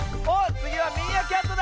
つぎはミーアキャットだ！